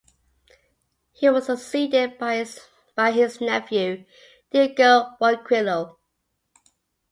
He was succeeded by his nephew, Diego Ronquillo.